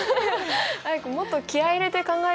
アイクもっと気合い入れて考えよう。